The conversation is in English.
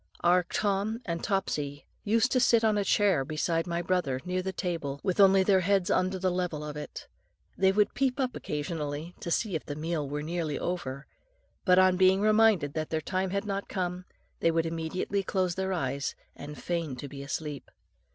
Our Tom and Topsy used to sit on a chair beside my brother, near the table, with only their heads under the level of it. They would peep up occasionally to see if the meal were nearly over; but on being reminded that their time had not come, they would immediately close their eyes and feign to be asleep.